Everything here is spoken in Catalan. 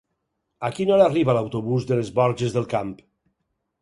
A quina hora arriba l'autobús de les Borges del Camp?